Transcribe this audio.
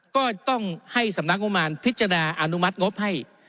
ก็ต้องให้สำนักงบมารพิจารณาอนุมัติงบให้